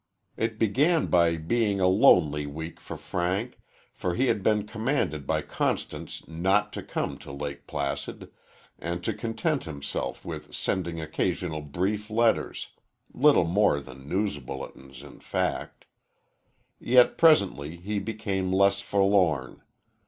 It began by being a lonely week for Frank, for he had been commanded by Constance not to come to Lake Placid, and to content himself with sending occasional brief letters little more than news bulletins, in fact. Yet presently he became less forlorn.